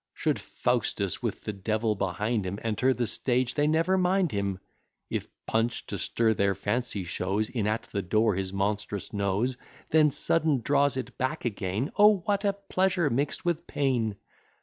Should Faustus with the devil behind him Enter the stage, they never mind him: If Punch, to stir their fancy, shows In at the door his monstrous nose, Then sudden draws it back again; O what a pleasure mixt with pain!